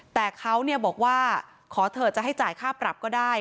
แต่เขาบอกว่าขอเถอะจะให้จ่ายค่าปรับก็ได้